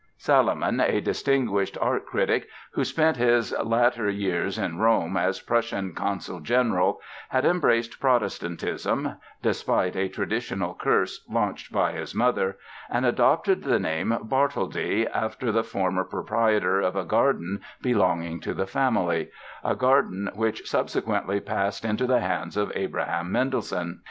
Salomon, a distinguished art critic who spent his later years in Rome as Prussian consul general, had embraced Protestantism (despite a traditional curse launched by his mother) and adopted the name "Bartholdy" after "the former proprietor of a garden belonging to the family"—a garden which subsequently passed into the hands of Abraham Mendelssohn.